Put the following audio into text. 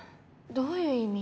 どういう意味？